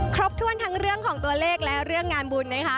ครบถ้วนทั้งเรื่องของตัวเลขและเรื่องงานบุญนะคะ